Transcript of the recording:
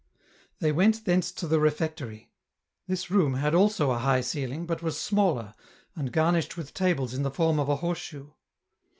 They went thence to the refectory. This room had also a high ceiling, but was smaller, and garnished with tables in form of a horse shoe.